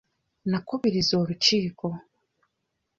Nnakubirizza olukiiko.